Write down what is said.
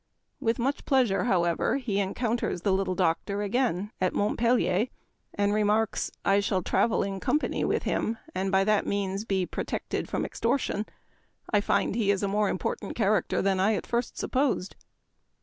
With much pleasure, however, he encounters the Memoir of Washington Irving. 33 " little doctor " again at Montpelier, and re marks :" I shall travel in company with him, and by that means be protected from extortion. I find he is a more important character than I at first supposed."